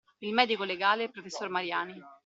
Il medico legale e il professor Mariani